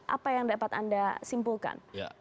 apa yang dapat anda simpulkan